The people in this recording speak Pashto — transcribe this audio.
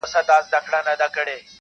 په خپل کور کي چي ورلوېږي زیندۍ ورو ورو-